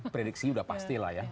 prediksi sudah pasti lah ya